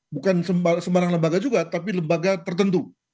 bukan sembarang lembaga juga tapi lembaga tertentu